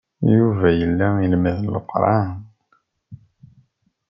Yuba yella ilemmed Leqran.